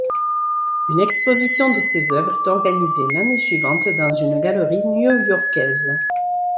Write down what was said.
Une exposition de ses œuvres est organisée l’année suivante dans une galerie new-yorkaise.